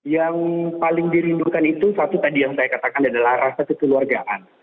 yang paling dirindukan itu satu tadi yang saya katakan adalah rasa kekeluargaan